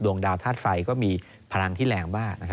ดวงดาวธาตุไฟก็มีพลังที่แรงมากนะครับ